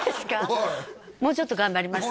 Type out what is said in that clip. はいもうちょっと頑張ります